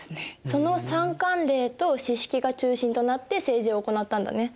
その三管領と四職が中心となって政治を行ったんだね。